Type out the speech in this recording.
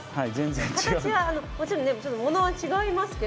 形はもちろんね物は違いますけど。